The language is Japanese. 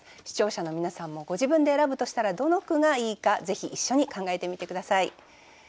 視聴者の皆さんもご自分で選ぶとしたらどの句がいいかぜひ一緒に考えてみて下さい。